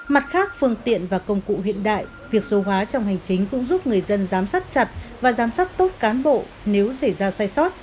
mặt khác phương tiện và công cụ hiện đại việc số hóa trong hành chính cũng giúp người dân giám sát chặt và giám sát tốt cán bộ nếu xảy ra sai sót